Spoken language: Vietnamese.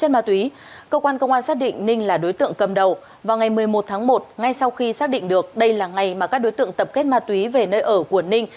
vào ngày một mươi một tháng một ngay sau khi xác định được đây là ngày mà các đối tượng tập kết ma túy về nơi ở quần ninh